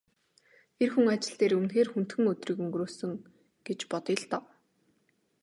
Эр хүн ажил дээрээ үнэхээр хүндхэн өдрийг өнгөрөөсөн гэж бодъё л доо.